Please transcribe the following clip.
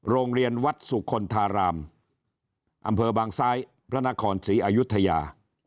โรงเรียนวัดสุคลธารามอำเภอบางซ้ายพระนครศรีอายุทยา